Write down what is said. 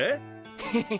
ウフフフ！